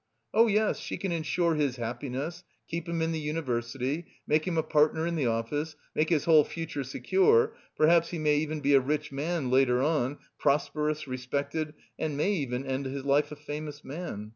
Oh, yes, she can ensure his happiness, keep him in the university, make him a partner in the office, make his whole future secure; perhaps he may even be a rich man later on, prosperous, respected, and may even end his life a famous man!